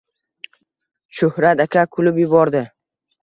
Shuhrat aka kulib yubordi: